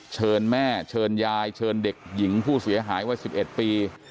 เชิญแม่เชิญยายเชิญเด็กหญิงผู้เสียหายวัย๑๑ปี